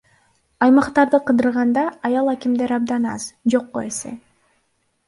Аймактарды кыдырганда аял акимдер абдан аз, жокко эсе.